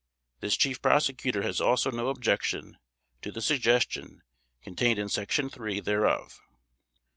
This Chief Prosecutor has also no objection to the suggestion, contained in Section III thereof.